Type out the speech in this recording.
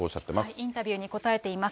インタビューに答えています。